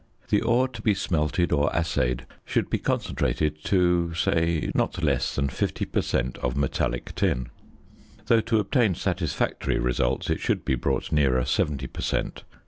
_ The ore to be smelted or assayed should be concentrated to say not less than 50 per cent. of metallic tin; though to obtain satisfactory results it should be brought nearer 70 per cent.